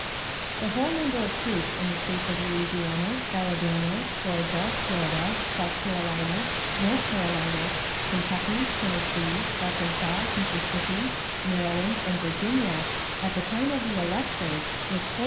The whole number of troops in the States of Louisiana, Alabama, Georgia, Florida, South Carolina, North Carolina, Kentucky, Tennessee, Arkansas, Mississippi, Maryland, and Virginia at the time of the election was 4,082.